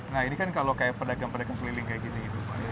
nah ini kan kalau kayak pedagang pedagang keliling kayak gini gitu